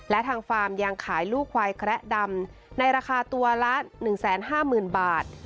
และทางฟาร์มยังขายลูกควายแคระดำในราคาตัวละ๑๕๐๐๐บาท